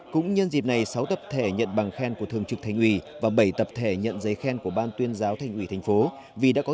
cũng nhân dịp này sáu tập thể nhận bằng khen của thường trực thành ủy và bảy tập thể nhận giấy khen của ban tuyên giáo thành ủy thành phố